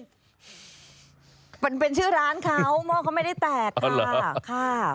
มันเป็นชื่อร้านเขาหม้อเขาไม่ได้แตกค่ะค่ะ